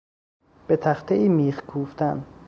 به تختهای میخ کوفتن